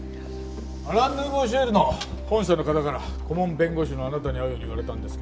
アラン・ヌーボー・シエルの本社の方から顧問弁護士のあなたに会うように言われたんですけども。